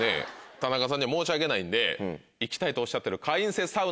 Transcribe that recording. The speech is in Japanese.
田中さんには申し訳ないんで行きたいとおっしゃっている。